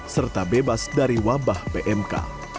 serta bebas dari wabah pmk